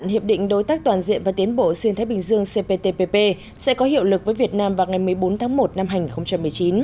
hiệp định đối tác toàn diện và tiến bộ xuyên thái bình dương cptpp sẽ có hiệu lực với việt nam vào ngày một mươi bốn tháng một năm hai nghìn một mươi chín